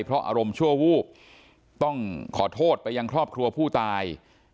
เพราะอารมณ์ชั่ววูบต้องขอโทษไปยังครอบครัวผู้ตาย